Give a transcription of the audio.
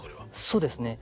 そうですね。